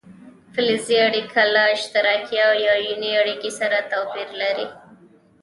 فلزي اړیکه له اشتراکي او ایوني اړیکې سره توپیر لري.